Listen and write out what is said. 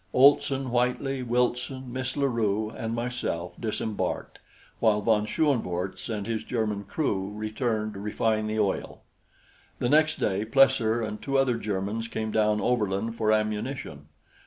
Olson, Whitely, Wilson, Miss La Rue, and myself disembarked, while von Schoenvorts and his German crew returned to refine the oil. The next day Plesser and two other Germans came down overland for ammunition.